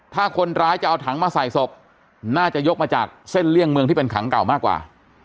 ถ้าคนร้ายจะเอาถังมาใส่ศพน่าจะยกมาจากเส้นเลี่ยงเมืองที่เป็นถังเก่ามากกว่า